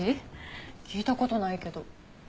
聞いた事ないけど。